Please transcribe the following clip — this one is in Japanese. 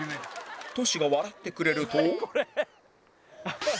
トシが笑ってくれると